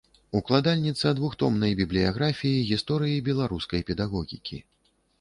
Укладальніца двухтомнай бібліяграфіі гісторыі беларускай педагогікі.